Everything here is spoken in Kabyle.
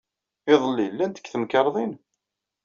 Iḍelli, llant deg temkarḍit?